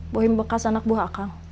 bohim bekas anak buah aka